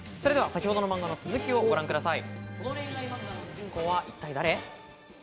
先ほどの漫画の続きをご覧ください。